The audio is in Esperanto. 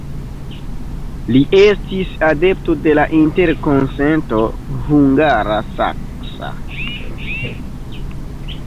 Li estis adepto de la interkonsento hungara-saksa.